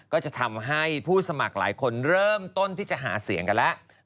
ก็จะทำให้ผู้สมัครหลายคนเริ่มต้นที่จะหาเสียงกันแล้ว